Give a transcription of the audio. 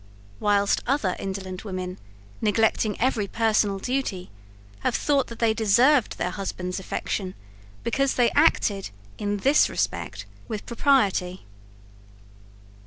Whilst other indolent women, neglecting every personal duty, have thought that they deserved their husband's affection, because they acted in this respect with propriety.